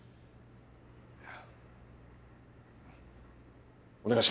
はい。